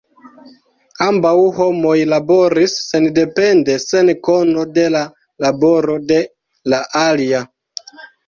Ambaŭ homoj laboris sendepende sen kono de la laboro de la alia.